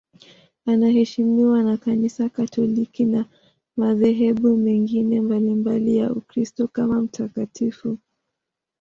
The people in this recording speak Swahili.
Anaheshimiwa na Kanisa Katoliki na madhehebu mengine mbalimbali ya Ukristo kama mtakatifu.